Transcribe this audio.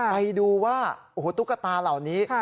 ไปดูว่าตุ๊กตาเหล่านี้